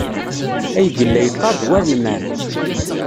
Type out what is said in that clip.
Ay yella yeqqar d war lmeɛna.